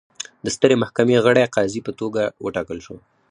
د سترې محکمې غړي قاضي په توګه وټاکل شو.